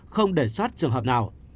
không để xót trường hợp nào